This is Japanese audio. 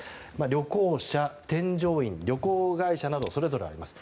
旅行者、添乗員、旅行会社などそれぞれあります。